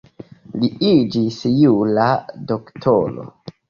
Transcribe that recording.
Li iĝis jura doktoro.